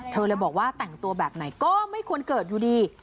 เธอเลยบอกว่าแต่งตัวแบบไหนก็ไม่ควรเกิดอยู่ดี